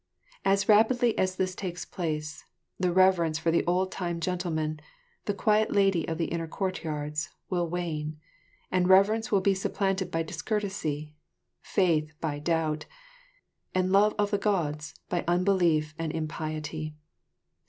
As rapidly as this takes place, the reverence for the old time gentleman, the quiet lady of the inner courtyards, will wane, and reverence will be supplanted by discourtesy, faith by doubt, and love of the Gods by unbelief and impiety.